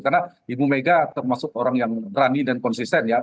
karena ibu mega termasuk orang yang rani dan konsisten ya